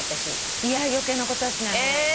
いや余計なことはしない方がいい。